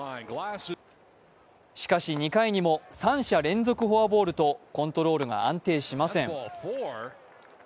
しかし、２回にも三者連続フォアボールとコントロールが安定しません。